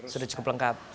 sudah cukup lengkap